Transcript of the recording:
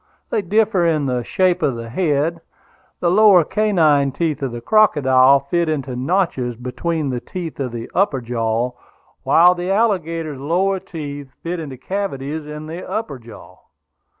They differ in the shape of the head; the lower canine teeth of the crocodile fit into notches between the teeth of the upper jaw, while the alligator's lower teeth fit into cavities in the upper jaw.